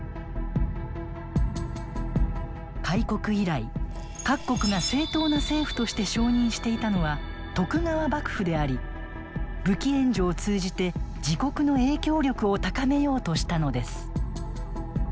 開国以来各国が正統な政府として承認していたのは徳川幕府であり武器援助を通じて自国の影響力を高めようとしたのです。